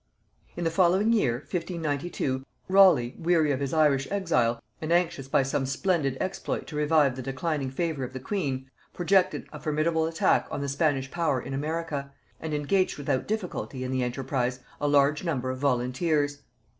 In the following year, 1592, Raleigh, weary of his Irish exile, and anxious by some splendid exploit to revive the declining favor of the queen, projected a formidable attack on the Spanish power in America, and engaged without difficulty in the enterprise a large number of volunteers.